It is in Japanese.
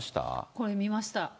これ、見ました。